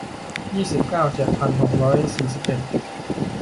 ยี่สิบเก้า เจ็ดพันหกร้อยสี่สิบเอ็ด